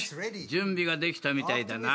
準備ができたみたいだな。